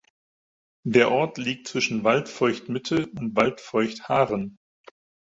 Der Ort liegt zwischen Waldfeucht-Mitte und Waldfeucht-Haaren.